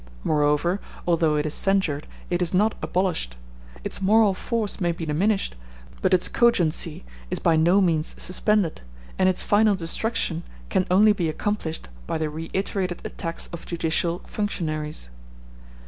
Moreover, although it is censured, it is not abolished; its moral force may be diminished, but its cogency is by no means suspended, and its final destruction can only be accomplished by the reiterated attacks of judicial functionaries.